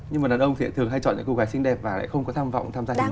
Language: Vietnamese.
nhưng mà đàn ông thì thường hay chọn những cô gái xinh đẹp và lại không có tham vọng tham gia